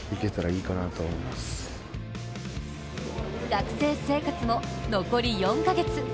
学生生活も残り４か月。